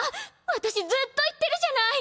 私ずっと言ってるじゃない！